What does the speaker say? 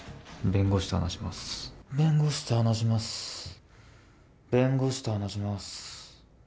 弁護士と話しします。